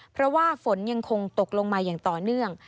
เพราะว่าฝนยังคงตกลงมาอย่างต่อเนื่อง